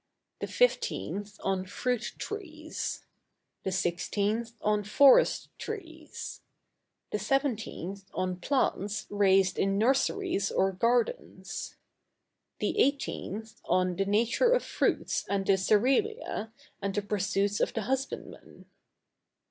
The 15th on Fruit Trees. The 16th on Forest Trees. The 17th on Plants raised in nurseries or gardens. The 18th on the nature of Fruits and the Cerealia, and the pursuits of the Husbandman.